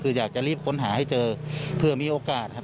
คืออยากจะรีบค้นหาให้เจอเพื่อมีโอกาสครับ